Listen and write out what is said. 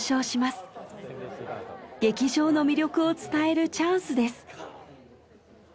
劇場の魅力を伝えるチャンスです。